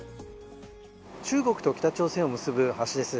中国と北朝鮮を結ぶ橋です。